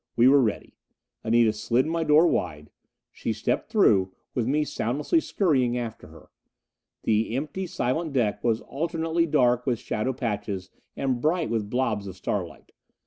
We were ready. Anita slid my door wide. She stepped through, with me soundlessly scurrying after her. The empty, silent deck was alternately dark with shadow patches and bright with blobs of starlight.